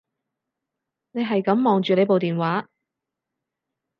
你係噉望住你部電話